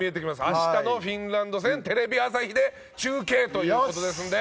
明日のフィンランド戦テレビ朝日で中継ですので。